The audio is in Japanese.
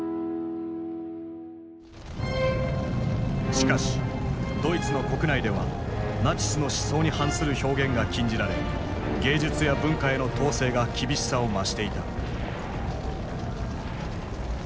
しかしドイツの国内ではナチスの思想に反する表現が禁じられ芸術や文化への統制が厳しさを増していた。